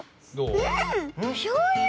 うん！おしょうゆ。